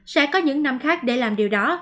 sẽ có những năm khác để làm điều đó